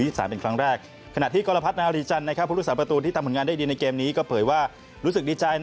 ผมเห็นโดรกเตอร์ที่ส่งให้ผมธุระสูงและช่วย